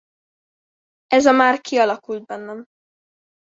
Ez a már kialakult bennem.